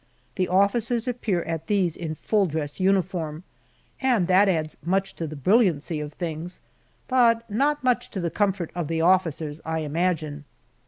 The officers appear at these in full dress uniform, and that adds much to the brilliancy of things, but not much to the comfort of the officers, I imagine.